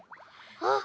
あっ！